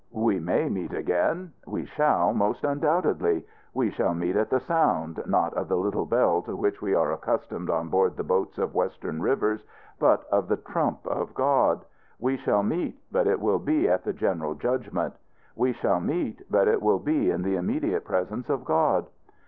We may meet again we shall, most undoubtedly. We shall meet at the sound, not of the little bell to which we are accustomed on board the boats of Western rivers, but of the trump of God. We shall meet, but it will be at the general judgment. We shall meet, but it will be in the immediate presence of God.